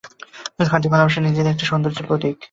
খাঁটি ভালোবাসা নিজেই একটা সৌন্দর্যের প্রতীক।